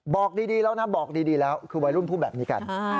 บอกดีแล้วนะบอกดีแล้วคือวัยรุ่นพูดแบบนี้กัน